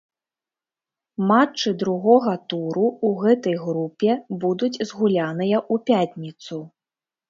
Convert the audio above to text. Матчы другога туру ў гэтай групе будуць згуляныя ў пятніцу.